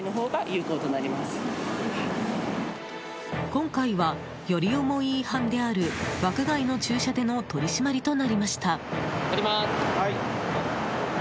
今回は、より重い違反である枠外の駐車での取り締まりとなりました。